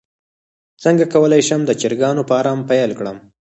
څنګه کولی شم د چرګانو فارم پیل کړم